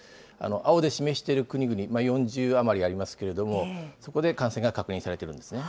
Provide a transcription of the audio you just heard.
青で示している国々、４０余りありますけれども、そこで感染が確認されているんですね。